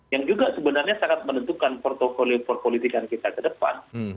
yang juga sebenarnya sangat menentukan protokol perpolitikan kita ke depan